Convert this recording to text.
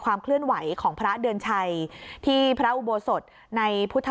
เคลื่อนไหวของพระเดือนชัยที่พระอุโบสถในพุทธ